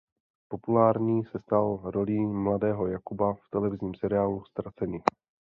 Populárním se stal rolí mladého Jakuba v televizním seriálu "Ztraceni".